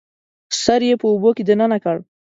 سر یې په اوبو کې دننه کړ